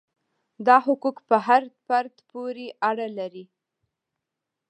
دا حقوق پر هر فرد پورې اړه لري.